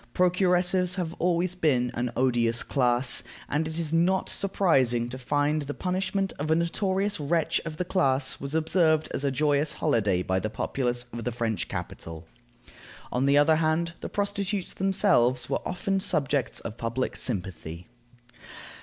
Procuresses have always been an odious class, and it is not surprising to find that the punishment of a notorious wretch of the class was observed as a joyous holiday by the populace of the French capital. On the other hand, the prostitutes themselves were often subjects of public sympathy.